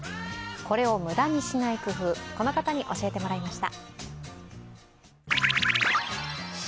これを無駄にしない工夫、この方に教えてもらいました。